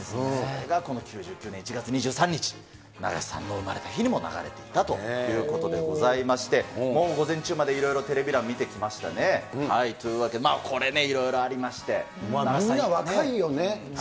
それがこの９９年１月２３日、永瀬さんの生まれた日にも流れていたということでございまして、午前中までいろいろテレビ欄、見てきましたね。というわけで、これね、いろいろみんな若いよね。